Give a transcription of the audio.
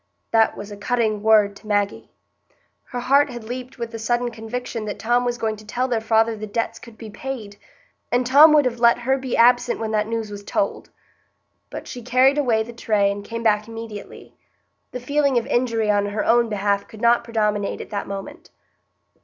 That was a cutting word to Maggie. Her heart had leaped with the sudden conviction that Tom was going to tell their father the debts could be paid; and Tom would have let her be absent when that news was told! But she carried away the tray and came back immediately. The feeling of injury on her own behalf could not predominate at that moment.